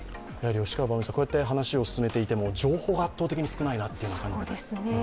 こうやって話を進めていても、情報が圧倒的に少ない感じがします。